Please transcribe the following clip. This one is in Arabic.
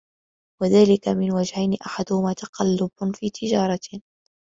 وَذَلِكَ مِنْ وَجْهَيْنِ أَحَدُهُمَا تَقَلُّبٌ فِي تِجَارَةٍ